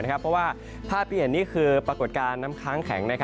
เพราะว่าภาพที่เห็นนี่คือปรากฏการณ์น้ำค้างแข็ง